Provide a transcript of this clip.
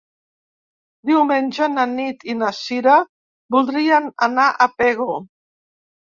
Diumenge na Nit i na Sira voldrien anar a Pego.